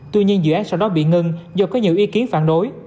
tuy nhiên dự án sau đó bị ngừng do có nhiều ý kiến phản đối